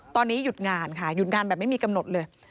ตอนนี้หยุดงานค่ะหยุดงานแบบไม่มีกำหนดเลย